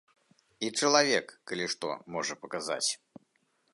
І чалавек, калі што, можа паказаць.